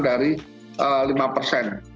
dari lima persen